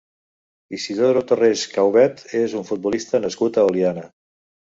Isidoro Tarrés Caubet és un futbolista nascut a Oliana.